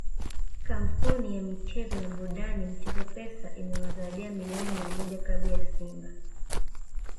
Kampuni ya michezo na burudani mchezo Pesa imewazawadia milioni mia moja klabu ya Simba